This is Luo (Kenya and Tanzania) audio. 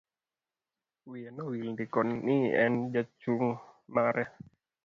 Wiye nowil ndiko ni en jachung' mare.